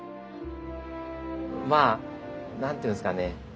まあ何て言うんですかね